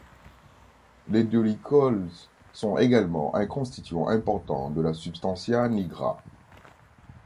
Les dolichols sont également un constituant important de la substantia nigra.